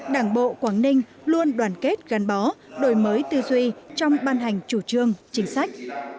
đảng bộ quảng ninh luôn đoàn kết gắn bó đổi mới tư duy trong ban hành chủ trương chính sách